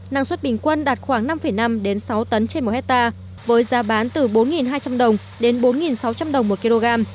năng suất bình quân đạt khoảng năm năm sáu tấn trên một hectare với giá bán từ bốn hai trăm linh đồng đến bốn sáu trăm linh đồng một kg